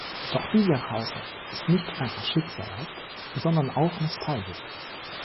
Doch dieser Haushalt ist nicht einfach schicksalhaft, sondern auch nostalgisch.